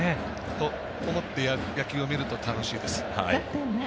そう思って野球を見ると楽しいです。